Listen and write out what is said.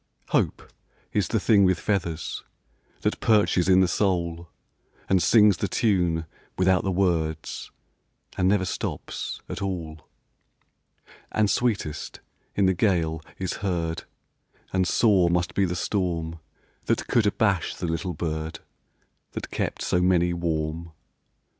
Hope is the thing with feathers That perches in the soul, And sings the tune without the words, And never stops at all, And sweetest in the gale is heard; And sore must be the storm That could abash the little bird That kept so many warm.